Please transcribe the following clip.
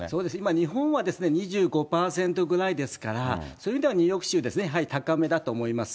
日本は２５％ぐらいですから、そういう意味ではニューヨーク州、やはり高めだと思います。